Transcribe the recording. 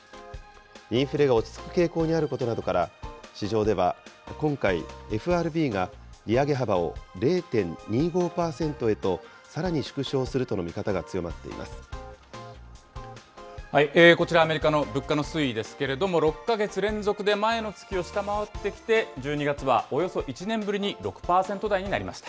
インフレが落ち着く傾向にあることなどから、市場では、今回、ＦＲＢが利上げ幅を０．２５％へとさらに縮小するとの見方が強まこちら、アメリカの物価の推移ですけれども、６か月連続で前の月を下回ってきて、１２月はおよそ１年ぶりに６％台になりました。